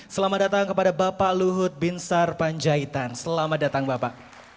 selamat datang kepada bapak luhut binsar panjaitan selamat datang bapak